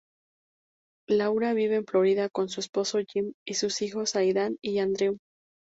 Laura vive en Florida con su esposo Jim, y sus hijos Aidan y Andrew.